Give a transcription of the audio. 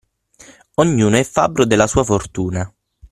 Ognuno è fabbro della sua fortuna.